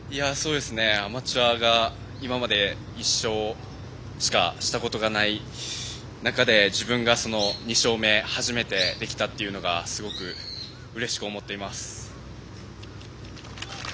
アマチュアが今まで１勝しかしたことがない中で自分が２勝目初めてできたというのがすごくうれしく思っています。